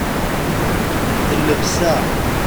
D llebsa.